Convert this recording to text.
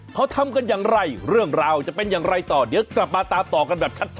เขาทำกันอย่างไรเรื่องราวจะเป็นอย่างไรต่อเดี๋ยวกลับมาตามต่อกันแบบชัด